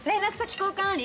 交換あり？